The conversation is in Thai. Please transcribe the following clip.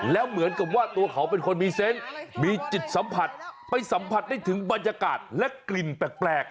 แล้วเหมือนกับว่าตัวเขาเป็นคนมีเซนต์มีจิตสัมผัสไปสัมผัสได้ถึงบรรยากาศและกลิ่นแปลก